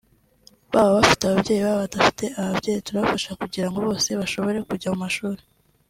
baba bafite ababyeyi baba badafite ababyeyi turabafasha kugira ngo bose bashobore kujya mu mashuri